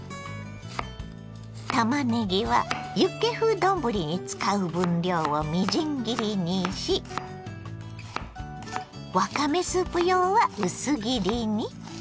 たまねぎはユッケ風丼に使う分量をみじん切りにしわかめスープ用は薄切りに。